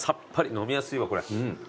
飲みやすいわこりゃ。